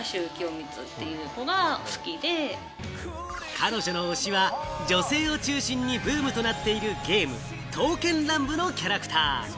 彼女の推しは、女性を中心にブームとなっているゲーム『刀剣乱舞』のキャラクター。